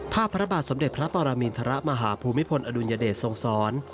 ภาพพระบาทสมเด็จพระปรามีณฐระมหาภูมิพลอดุลยเดชทรงสร